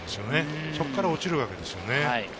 そこから落ちるわけですよね。